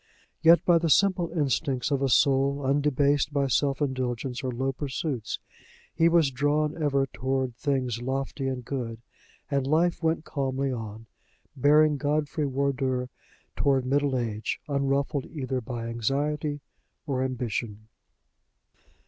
Yet by the simple instincts of a soul undebased by self indulgence or low pursuits, he was drawn ever toward things lofty and good; and life went calmly on, bearing Godfrey Wardour toward middle age, unruffled either by anxiety or ambition.